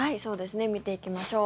見ていきましょう。